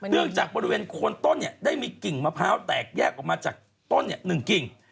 เนื่องจากบริเวณควรต้นเนี่ยได้มีกิ่งมะพร้าวแตกแยกออกมาจากต้นเนี่ย๑กิ่ง